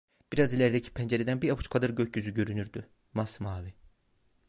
Biraz ilerideki pencereden bir avuç kadar gökyüzü görünürdü: Masmavi…